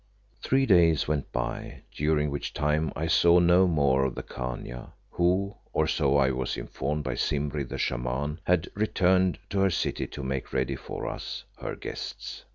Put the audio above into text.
Three days went by, during which time I saw no more of the Khania, who, or so I was informed by Simbri, the Shaman, had returned to her city to make ready for us, her guests.